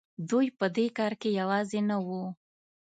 دوی په دې کار کې یوازې نه وو.